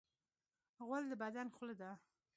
غول د بدن خوله ده.